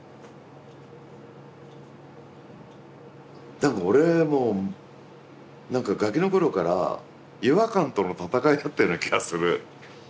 多分俺も何かガキの頃から違和感との闘いだったような気がする。